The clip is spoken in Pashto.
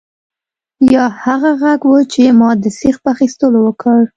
یا هغه غږ و چې ما د سیخ په اخیستلو وکړ